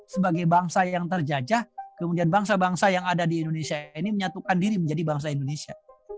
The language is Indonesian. sebagai bangsa yang terjajah kemudian bangsa bangsa yang ada di indonesia ini menyatukan diri menjadi bangsa indonesia